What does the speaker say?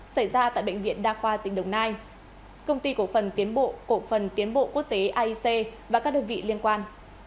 xảy ra tại bệnh viện đa khoa tỉnh đồng nai công ty cổ phần tiến bộ cổ phần tiến bộ quốc tế aic và các đơn vị liên quan